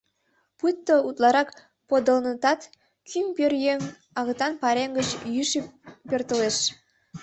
Пуйто утларак подылынытат, кӱм пӧръеҥ агытан пайрем гыч йӱшӧ пӧртылеш.